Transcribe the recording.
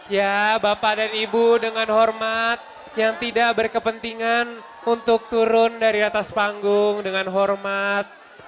ya bapak dan ibu dengan hormat yang tidak berkepentingan untuk turun dari atas panggung dengan hormat